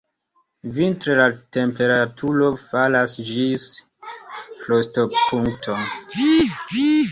Vintre la temperaturo falas ĝis frostopunkto.